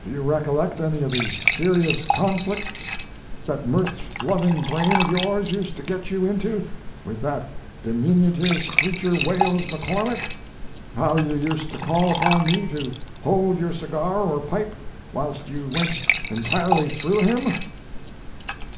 Do you recollect any of the serious conflicts that mirth loving brain of yours used to get you into with that diminutive creature Wales McCormick how you used to call upon me to hold your cigar or pipe, whilst you went entirely through him?